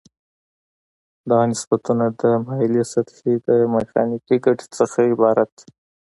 دغه نسبتونه د مایلې سطحې د میخانیکي ګټې څخه عبارت دي.